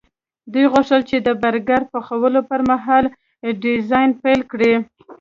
دوی غوښتل د برګر پخولو پرمهال ډیزاین پیل کړي